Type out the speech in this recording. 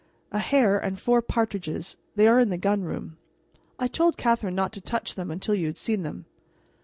"A hare and four partridges. They are in the gun room. I told Catherine not to touch them until you had seen them."